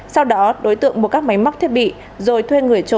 sau đó đối tượng mua các máy móc thiết bị rồi thuê người trộm